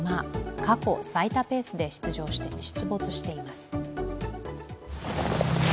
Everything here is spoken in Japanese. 過去最多ペースで出没しています。